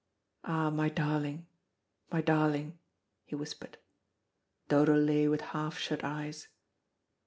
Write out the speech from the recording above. "Ah, my darling, my darling," he whispered. Dodo lay with half shut eyes.